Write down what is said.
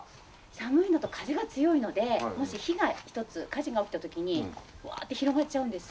寒いのと風が強いのでもし火が一つ火事が起きた時にわって広がっちゃうんです。